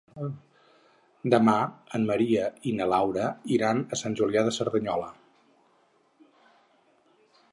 Demà en Maria i na Laura iran a Sant Julià de Cerdanyola.